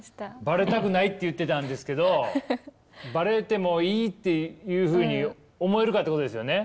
バレたくないって言ってたんですけどバレてもいいっていうふうに思えるかってことですよね？